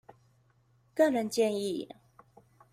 個人建議